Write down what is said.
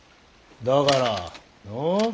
だからのう？